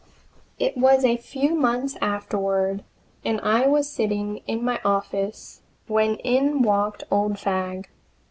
It was a few months afterward and I was sitting in my office when in walked old Fagg.